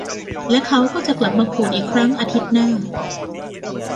และเขาก็จะกลับมาขูดอีกครั้งอาทิตย์หน้า